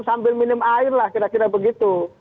sambil minum air lah kira kira begitu